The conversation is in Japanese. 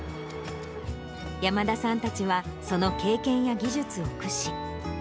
山田さんたちは、その経験や技術を駆使。